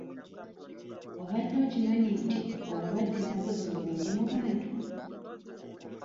Obadde okimanyi nti obulwadde ennaku zino bungi mu bantu?